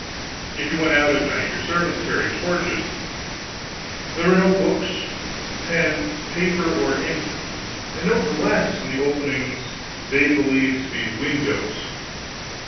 If you went out at night, your servants carried torches. There were no books, pens, paper or ink, and no glass in the openings they believed to be windows.